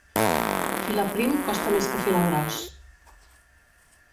Filar prim costa més que filar gros.